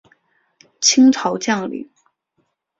清朝将领。